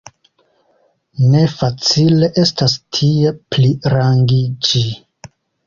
Ne facile estas tie plirangiĝi.